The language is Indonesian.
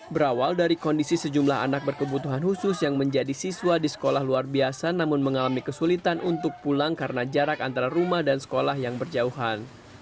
berawal dari kondisi sejumlah anak berkebutuhan khusus yang menjadi siswa di sekolah luar biasa namun mengalami kesulitan untuk pulang karena jarak antara rumah dan sekolah yang berjauhan